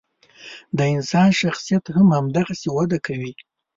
د انسان شخصیت هم همدغسې وده کوي.